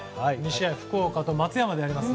２試合福岡と松山でやります。